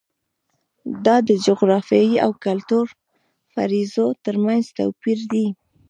دا د جغرافیې او کلتور فرضیو ترمنځ توپیر دی.